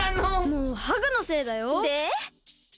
もうハグのせいだよ！でなげる！